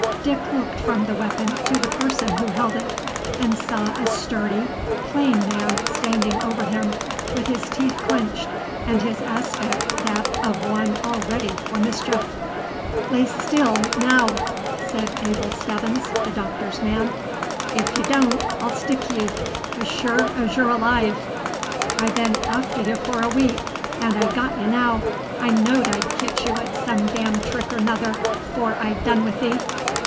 Dick looked from the weapon to the person who held it, and saw a sturdy, plain man standing over him, with his teeth clinched, and his aspect that of one all ready for mischief. "Lay still, naow!" said Abel Stebbins, the Doctor's man; "'f y' don't, I'll stick ye, 'z sure 'z y' 'r' alive! I been arfter ye f'r a week, 'n' I got y' naow! I knowed I'd ketch ye at some darned trick or 'nother 'fore I'd done 'ith ye!"